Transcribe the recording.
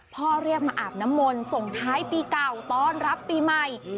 พ่อเรียกมาอาบน้ำมนต์ส่งท้ายปีเก่าต้อนรับปีใหม่